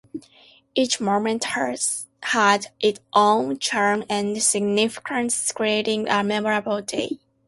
Each moment had its own charm and significance, creating a memorable day.